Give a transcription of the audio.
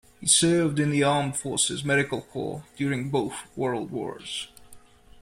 He served in the armed forces medical corps during both World Wars.